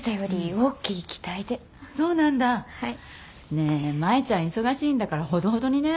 ねえ舞ちゃん忙しいんだからほどほどにね。